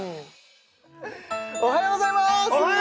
おはようございます